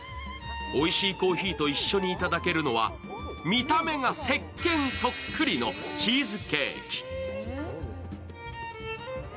おいしいコーヒーと一緒にいただけるのは、見た目がせっけんそっくりのチーズケーキ。